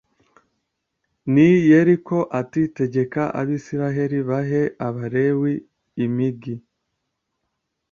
N i yeriko ati tegeka abisirayeli bahe abalewi imigie